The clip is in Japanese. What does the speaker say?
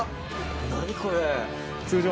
何これ。